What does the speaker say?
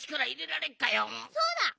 そうだ！